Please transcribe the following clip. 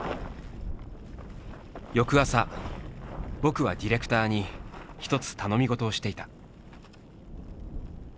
翌朝「僕」はディレクターに一つ頼み事をしていた。